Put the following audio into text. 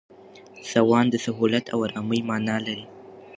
سوان د سهولت او آرامۍ مانا لري.